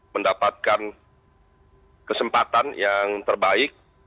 mendapatkan kesempatan yang terbaik